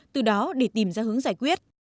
từ đó để tìm ra hướng giải quyết